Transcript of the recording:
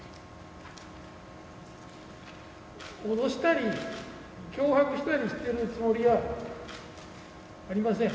脅したり、脅迫したりしているつもりはありません。